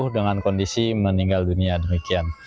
dengan kondisi meninggal dunia demikian